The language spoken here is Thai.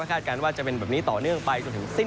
ไม่คาดการณ์ว่าจะเป็นแบบนี้ต่อเนื่องไป